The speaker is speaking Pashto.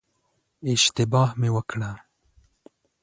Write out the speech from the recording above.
اشتباه مې وکړه.